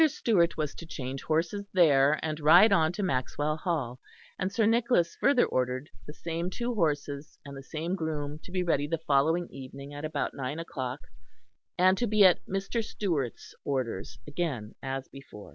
Stewart was to change horses there, and ride on to Maxwell Hall, and Sir Nicholas further ordered the same two horses and the same groom to be ready the following evening at about nine o'clock, and to be at "Mr. Stewart's" orders again as before.